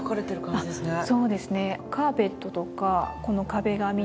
そうですね。